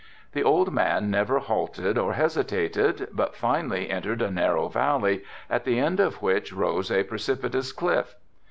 The old man never halted or hesitated but finally entered a narrow valley, at the end of which rose a precipitous cliff.